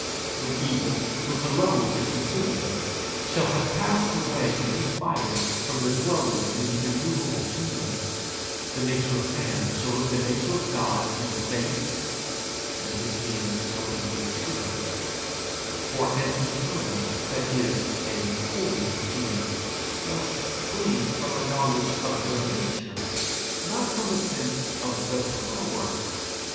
When evil, which alone is consumable, shall have passed away in his fire from the dwellers in the immovable kingdom, the nature of man shall look the nature of God in the face, and his fear shall then be pure; for an eternal, that is a holy fear, must spring from a knowledge of the nature, not from a sense of the power.